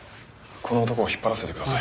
この男を引っ張らせてください。